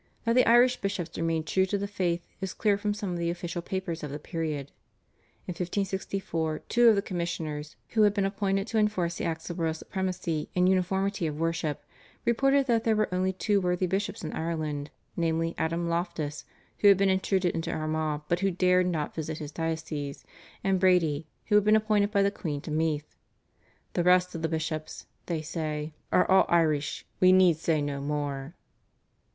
That the Irish bishops remained true to the faith is clear from some of the official papers of the period. In 1564 two of the commissioners, who had been appointed to enforce the Acts of Royal Supremacy and Uniformity of Worship, reported that there were only two worthy bishops in Ireland, namely, Adam Loftus, who had been intruded into Armagh but who dare not visit his diocese, and Brady, who had been appointed by the queen to Meath. "The rest of the bishops," they say, "are all Irish, we need say no more."